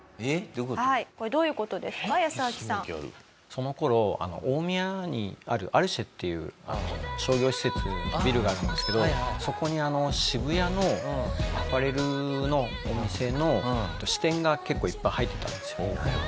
その頃大宮にあるアルシェっていう商業施設ビルがあるんですけどそこに渋谷のアパレルのお店の支店が結構いっぱい入ってたんですよ。